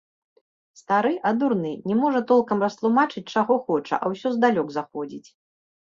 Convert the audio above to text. Стары, а дурны, не можа толкам растлумачыць, чаго хоча, а ўсё здалёк заходзіць.